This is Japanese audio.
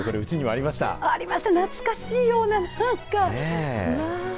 ありました、懐かしいような、なんか。